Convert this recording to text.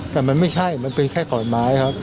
แต่มันไม่ใช่มันเป็นแค่ขอนไม้ครับ